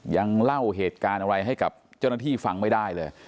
ยังเล่าเหตุการณ์อะไรให้กับเจ้าหน้าที่ฟังไม่ได้เลย